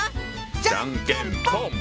じゃんけんぽん！